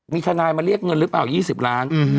มีทนายมาเรียกเงินหรือเปล่า๒๐ล้าน